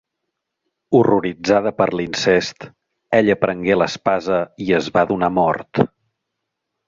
Horroritzada per l'incest, ella prengué l'espasa i es va donar mort.